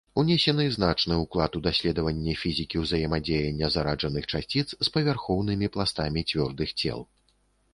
Унесены значны ўклад у даследаванне фізікі ўзаемадзеяння зараджаных часціц з павярхоўнымі пластамі цвёрдых цел.